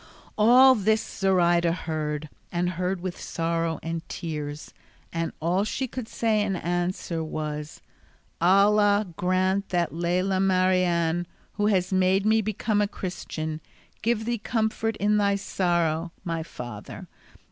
All this Zoraida heard, and heard with sorrow and tears, and all she could say in answer was, "Allah grant that Lela Marien, who has made me become a Christian, give thee comfort in thy sorrow, my father.